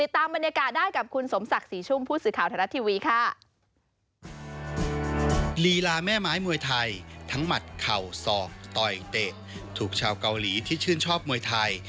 ติดตามบรรยากาศได้กับ